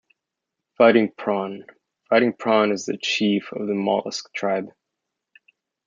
Fighting Prawn - Fighting Prawn is the chief of the Mollusk Tribe.